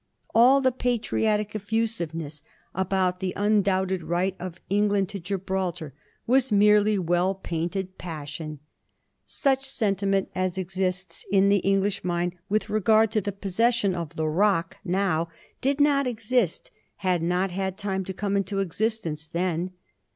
All the patriotic effusiveness about the undoubted right of England to Gibraltar was merely well painted passion. Such sentiment as exists in the English mind with regard to the possession of ' the Rock ' now, did not exist, had not had time to come into existence, then.